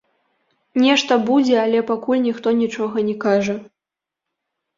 Нешта будзе, але пакуль ніхто нічога не кажа.